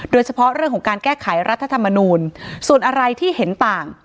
โดยเฉพาะเรื่องของการแก้ไขรัฐธรรมนูลส่วนอะไรที่เห็นต่าง